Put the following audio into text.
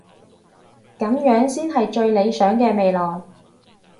噉樣先係最理想嘅未來